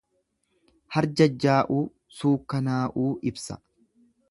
Harjajjaa'uu, suukkannaa'uu ibsa.